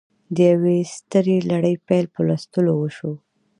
د یوې سترې لړۍ پیل په لوستلو وشو